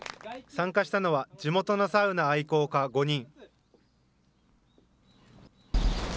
参加したのは地元のサウナ愛好家５人。